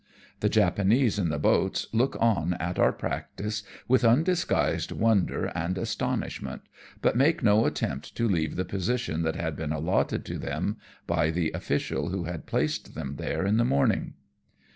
The Japanese in the boats look on at our practice with undisguised wonder and astonishment, but make no attempt to leave the position that had been allotted to them by the official who had placed them there in the morning.